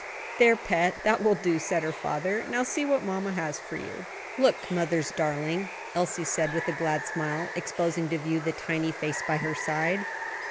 "There, pet, that will do," said her father. "Now, see what mamma has for you." "Look, mother's darling," Elsie said with a glad smile, exposing to view the tiny face by her side.